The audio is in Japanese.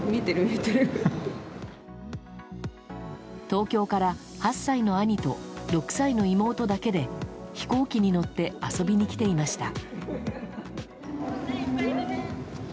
東京から８歳の兄と６歳の妹だけで飛行機に乗って遊びに来ていました。